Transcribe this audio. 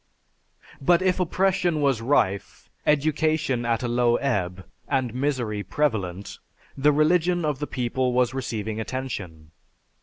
But if oppression was rife, education at a low ebb, and misery prevalent, the religion of the people was receiving attention.